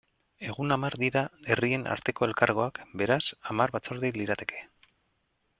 Egun hamar dira herrien arteko elkargoak, beraz, hamar batzorde lirateke.